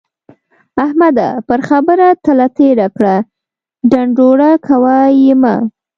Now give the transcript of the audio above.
احمده! پر خبره تله تېره کړه ـ ډنډوره کوه يې مه.